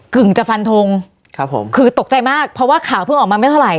่งจะฟันทงครับผมคือตกใจมากเพราะว่าข่าวเพิ่งออกมาไม่เท่าไห